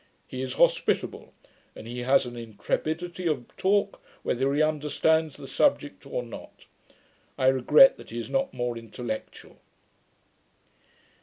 He is hospitable; and he has an intrepidity of talk, whether he understands the subject or not. I regret that he is not more intellectual.'